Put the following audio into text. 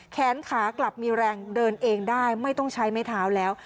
แขนขากลับมีแรงเดินเองได้ไม่ต้องใช้ไม้เท้าแล้ว